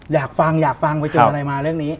อยากฟังไปจนอะไรมาเรื่องนี้